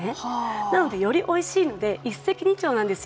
なので、よりおいしいので一石二鳥なんですよ。